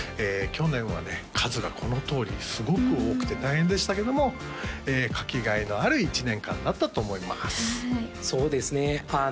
去年はね数がこのとおりすごく多くて大変でしたけども書き甲斐のある１年間だったと思いますそうですね